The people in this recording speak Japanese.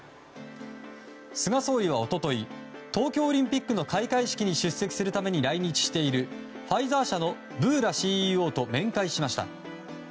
菅総理は一昨日東京オリンピックの開会式に出席するために来日しているファイザー社のブーラＣＥＯと面会しました。